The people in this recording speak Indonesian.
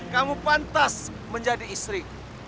kamu pantas menjadi istri